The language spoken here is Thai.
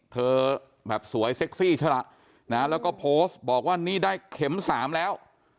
เธอแบบสวยเซ็กซี่ใช่ล่ะนะแล้วก็โพสต์บอกว่านี่ได้เข็ม๓แล้ว